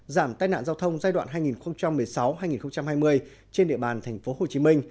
giảm tai nạn giao thông giai đoạn hai nghìn một mươi sáu hai nghìn hai mươi trên địa bàn tp hcm